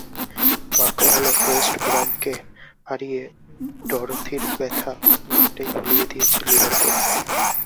ভাগ্য ভালো, ওয়েস্ট ব্রমকে হারিয়ে ডরোথির ব্যথা অনেকটাই ভুলিয়ে দিয়েছে লিভারপুল।